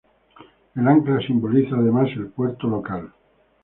El ancla simboliza además el puerto local.